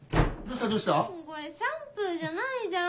・これシャンプーじゃないじゃん・・